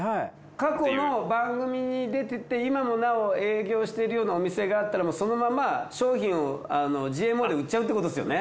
過去の番組に出てて今もなお営業しているようなお店があったらそのまま商品をＧＭＯで売っちゃうってことですよね？